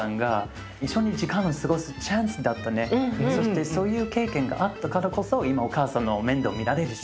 そしてそういう経験があったからこそ今お母さんの面倒見られるし。